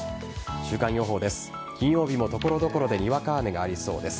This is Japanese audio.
週間予報です。